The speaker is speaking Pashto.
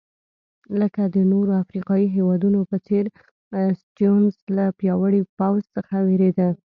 لکه د نورو افریقایي هېوادونو په څېر سټیونز له پیاوړي پوځ څخه وېرېده.